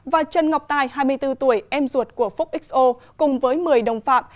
và trần ngọc tài hai mươi bốn tuổi em ruột của phúc xo cùng với một mươi đồng phạm